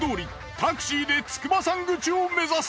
タクシーで筑波山口を目指す！